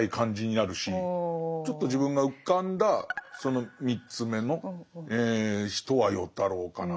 ちょっと自分が浮かんだその３つ目の人は与太郎かな。